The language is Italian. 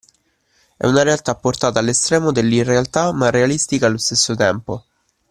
È una realtà portata all'estremo dell'irrealtà ma realistica allo stesso tempo.